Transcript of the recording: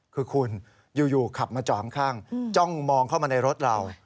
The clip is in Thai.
คือคุณอยู่ขับมาจอดข้างจ้องมองเข้ามาในรถเรา